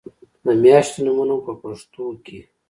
د میاشتو نومونه په پښتو کې